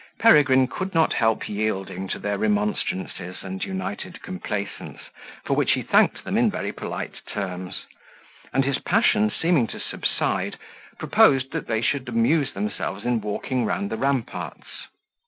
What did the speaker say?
Peregrine could not help yielding to their remonstrances and united complaisance, for which he thanked them in very polite terms; and his passion seeming to subside, proposed that they should amuse themselves in walking round the ramparts.